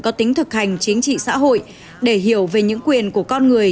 có tính thực hành chính trị xã hội để hiểu về những quyền của con người